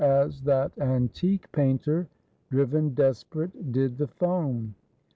339 FRANCE as that antique Painter, driven desperate, did the foam.